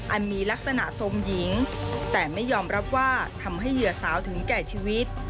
มีลักษณะโทรมหญิงแต่ไม่ยอมรับว่าทำให้เหยื่อสาวถึงแก่ชีวิต